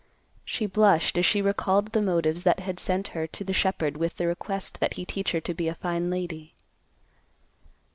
She blushed, as she recalled the motives that had sent her to the shepherd with the request that he teach her to be a fine lady.